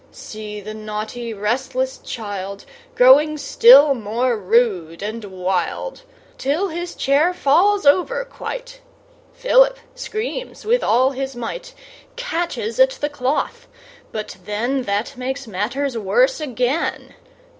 See the naughty, restless child Growing still more rude and wild, Till his chair falls over quite. Philip screams with all his might, Catches at the cloth, but then That makes matters worse again.